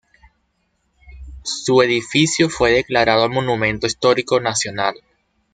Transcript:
Su edificio fue declarado monumento histórico nacional.